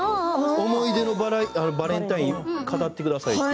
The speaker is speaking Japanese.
思い出のバレンタイン語ってくださいと。